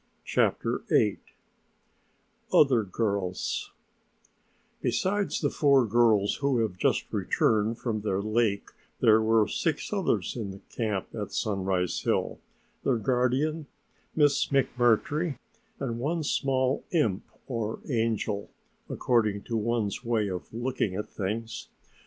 CHAPTER VIII OTHER GIRLS Besides the four girls who have just returned from the lake there were six others in the camp at Sunrise Hill, their guardian, Miss McMurtry and one small imp or angel, according to one's way of looking at things.